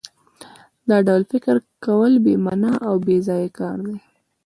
دا ډول فکر کول بې مانا او بېځایه کار دی